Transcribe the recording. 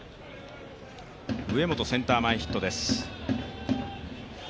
上本、センター前ヒットです。